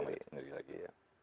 manage sendiri lagi ya